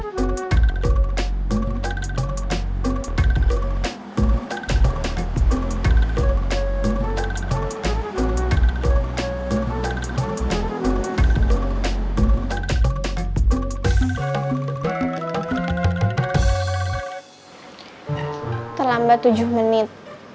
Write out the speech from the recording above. terlambat tujuh menit